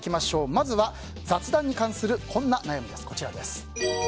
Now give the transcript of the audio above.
まずは、雑談に関するこんな悩みです。